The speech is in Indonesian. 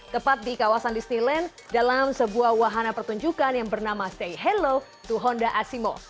tepat di kawasan disneyland dalam sebuah wahana pertunjukan yang bernama stay hello to honda asimo